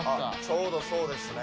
ちょうどそうですね。